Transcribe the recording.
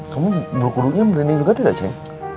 kamu bulu kuduknya merinding juga tidak cek